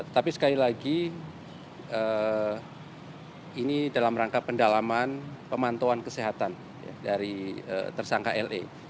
tapi sekali lagi ini dalam rangka pendalaman pemantauan kesehatan dari tersangka le